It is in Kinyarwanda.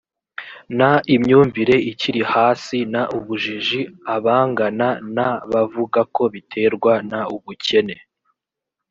n imyumvire ikiri hasi n ubujiji abangana na bavuga ko biterwa n ubukene